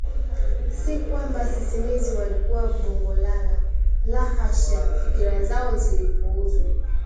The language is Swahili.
Si kwamba sisimizi walikuwa bongolala, la hasha! Fikra zao zilipuuzwa